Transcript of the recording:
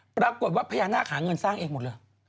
ปรากฏว่าพญานาคหาเงินสร้างเองหมดเลย